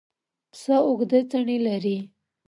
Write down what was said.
پسه اوږده څڼې لري.